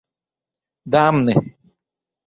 Damne.